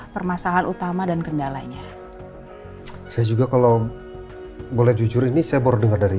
permasalahan utama dan kendalanya saya juga kalau boleh jujur ini saya baru dengar dari